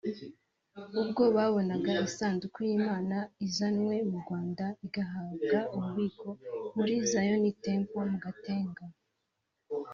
ubwo babonaga isanduku y’Imana izanywe mu Rwanda igahabwa ububiko muri Zion Temple mu Gatenga